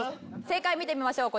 正解見てみましょう。